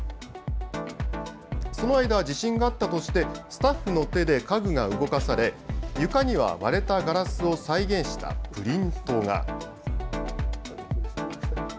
その間、地震があったとしてスタッフの手で家具が動かされ床には割れたガラスを再現したプリントが。